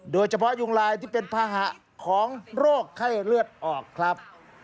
โดยเฉพาะยุงลายที่เป็นภาหะของโรคไข้เลือดออกครับ